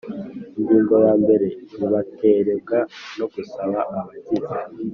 Ingingo yambere Ibitarebwa no gusaba abagize